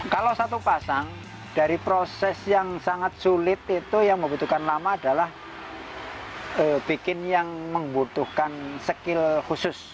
kalau satu pasang dari proses yang sangat sulit itu yang membutuhkan lama adalah membuat yang membutuhkan skill khusus